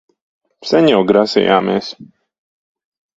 Sen jau grasījāmies...